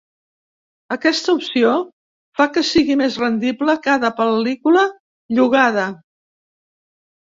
Aquesta opció fa que sigui més rendible cada pel·lícula llogada.